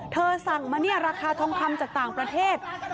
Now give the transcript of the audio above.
สั่งมาเนี่ยราคาทองคำจากต่างประเทศ